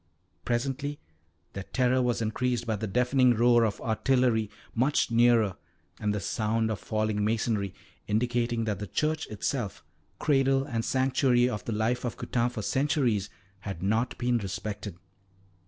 Presently their terror was increased by the deafening roar of artillery much nearer and the sound of falling masonry, indicating that the church itself, cradle and sanctuary of the life of Coutane for centuries, had not been respected.